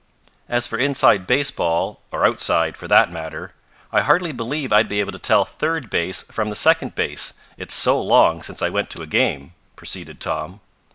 "As for inside baseball, or outside, for that matter, I hardly believe I'd be able to tell third base from the second base, it's so long since I went to a game," proceeded Tom.